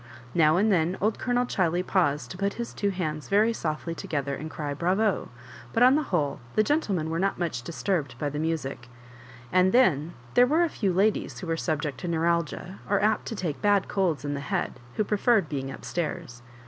Now and then old Ck)lonel Ghiley paused to put hia two hands softly together and cry *' Bravo I" but on the whole the gentle men were not much disturbed by the music. And then there were a few ladies who were subject to neuralgia, or apt to take bad colds in the head, who preferred being up stairs.